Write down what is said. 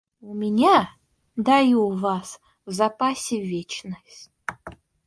У меня, да и у вас, в запасе вечность.